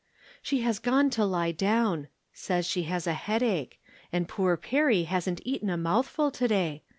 " She has gone to lie down ; says she has a headache ; and poor Perry hasn't eaten a mouth ful to day.